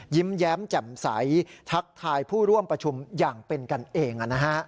ยิ้มแย้มแจ่มใสทักทายผู้ร่วมประชุมอย่างเป็นกันเอง